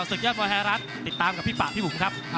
ศึกยอดมวยไทยรัฐติดตามกับพี่ปะพี่บุ๋มครับ